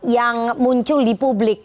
yang muncul di publik